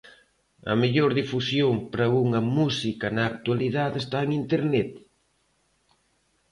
A mellor difusión para unha música na actualidade está en internet?